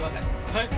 はい？